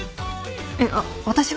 えっ私が？